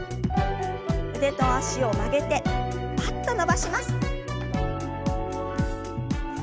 腕と脚を曲げてパッと伸ばします。